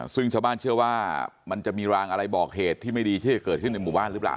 ซึ่งชาวบ้านเชื่อว่ามันจะมีรางอะไรบอกเหตุที่ไม่ดีที่จะเกิดขึ้นในหมู่บ้านหรือเปล่า